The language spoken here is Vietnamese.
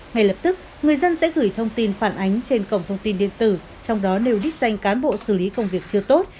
ngay lập tức người dân sẽ gửi thông tin phản ánh trên cổng thông tin điện tử trong đó nêu đích danh cán bộ xử lý công việc chưa tốt